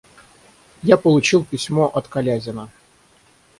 Я получил письмо от Колязина.